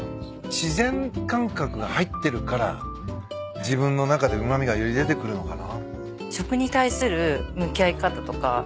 自然感覚が入ってるから自分の中でうま味がより出てくるのかな？